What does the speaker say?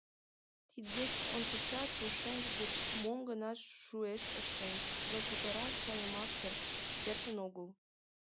Тиддеч ончычат пушеҥге гыч мом-гынат шуэшт ыштен, но путырак сайымак кертын огыл.